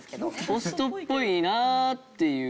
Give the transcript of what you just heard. ポストっぽいなっていう。